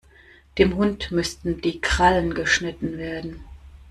Dem Hund müssten die Krallen geschnitten werden.